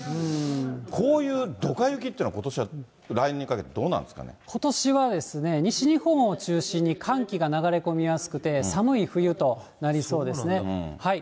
こういうドカ雪っていうのは、ことしは、来年にかけてどうなんでことしはですね、西日本を中心に、寒気が流れ込みやすくて寒い冬となりそうですね。